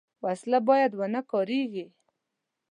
وسله باید ونهکارېږي